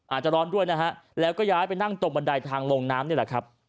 อาจจะร้อนด้วยนะฮะแล้วก็ย้ายไปนั่งตรงบันไดทางลงน้ำนี่แหละครับ